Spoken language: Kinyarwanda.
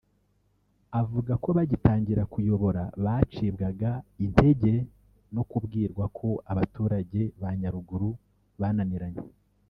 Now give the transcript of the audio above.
Avuga ko bagitangira kuyobora bacibwaga integer no kubwirwa ko abaturage ba Nyaruguru bananiranye